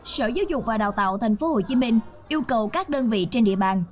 sở giáo dục và đào tạo tp hcm yêu cầu các đơn vị trên địa bàn